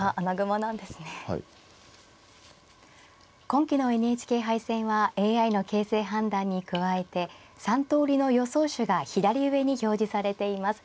今期のＮＨＫ杯戦はＡＩの形勢判断に加えて３通りの予想手が左上に表示されています。